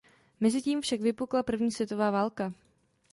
Mezitím však vypukla první světová válka.